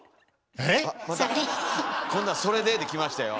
今度は「それで？」できましたよ。